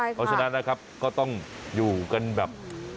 เพราะฉะนั้นนะครับก็ต้องอยู่กันแบบ